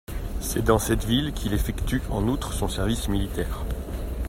C'est dans cette ville qu'il effectue en outre son service militaire.